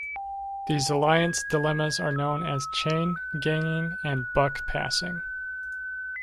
These alliance dilemmas are known as chain ganging and buck passing.